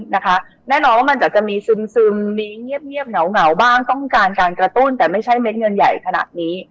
นั่นมันจังมีซึมไม้เงียบเหงาบ้างต้องการกระตุ้นแต่ไม่ใช่เม็ดเงินไขนี้